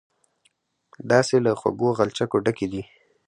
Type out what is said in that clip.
داسې له خوږو غلچکو ډکې دي.